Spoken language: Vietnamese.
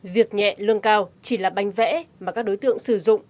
việc nhẹ lương cao chỉ là bánh vẽ mà các đối tượng sử dụng